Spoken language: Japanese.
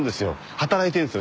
働いてるんですよ。